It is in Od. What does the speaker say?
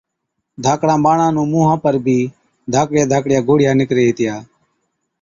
ڌاڪڙان ٻاڙان نُُون مُونها پر بِي ڌاڪڙِيا ڌاڪڙِيا گوڙهِيا نِڪري هِتِيا،